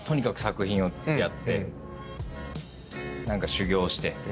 修業して。